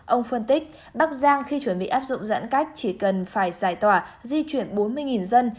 ông phân tích bắc giang khi chuẩn bị áp dụng giãn cách chỉ cần phải giải tỏa di chuyển bốn mươi dân